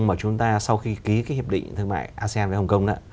mà chúng ta sau khi ký hiệp định thương mại asean với hồng kông